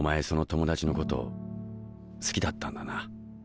その友達のこと好きだったんだな。